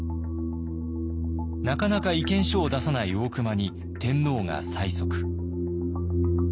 なかなか意見書を出さない大隈に天皇が催促。